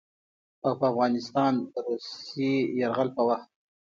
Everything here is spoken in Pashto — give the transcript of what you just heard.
او په افغانستان د روسي يرغل په وخت